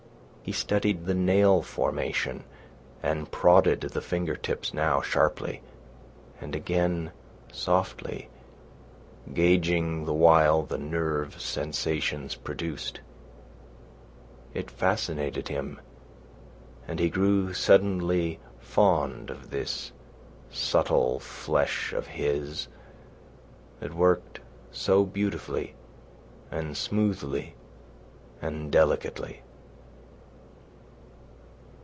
He studied the nail formation, and prodded the finger tips, now sharply, and again softly, gauging the while the nerve sensations produced. It fascinated him, and he grew suddenly fond of this subtle flesh of his that worked so beautifully and smoothly and delicately.